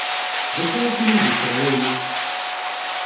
D acu ara tinim di ccɣel-a-inu?